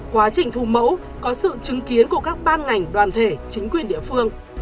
quá trình thu mẫu có sự chứng kiến của các ban ngành đoàn thể chính quyền địa phương